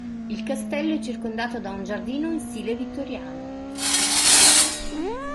Il castello è circondato da un giardino in stile vittoriano.